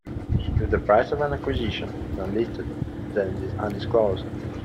If the price of an acquisition is unlisted, then it is undisclosed.